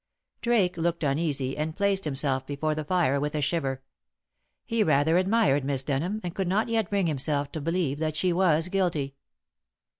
Drake looked uneasy, and placed himself before the fire with a shiver. He rather admired Miss Denham, and could not yet bring himself to believe that she was guilty.